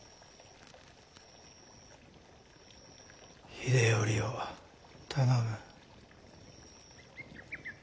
秀頼を頼む。